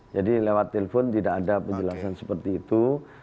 jadi lewat telpon tidak ada penjelasan seperti itu